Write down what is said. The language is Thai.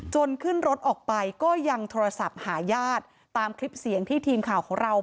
ขึ้นรถออกไปก็ยังโทรศัพท์หาญาติตามคลิปเสียงที่ทีมข่าวของเรา